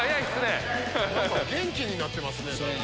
元気になってますね。